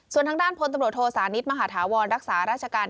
ส่วนทางด้านพลตำรวจโทสานิทมหาธาวรรักษาราชการ